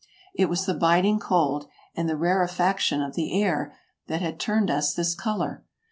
It was the biting cold, and the rarefac tion of the air, that had turned us this color.